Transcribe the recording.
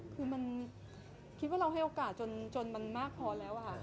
คือมันคิดว่าเราให้โอกาสจนมันมากพอแล้วค่ะ